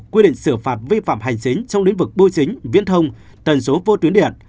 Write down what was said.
quy định xử phạt vi phạm hành chính trong lĩnh vực bưu chính viễn thông tần số vô tuyến điện